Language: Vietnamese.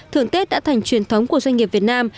thưởng tết đã thành truyền thống của doanh nghiệp việt nam